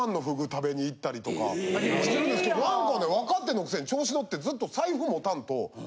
食べに行ったりとかしてるんですけど何かね若手のくせに調子乗ってずっと財布持たんと。